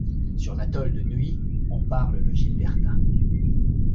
Sur l'atoll de Nui, on parle le gilbertin.